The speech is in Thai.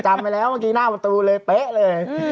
จำไปแล้วเมื่อกี้หน้าประตูเลยเป๊ะเลย